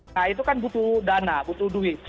nah itu kan butuh dana butuh duit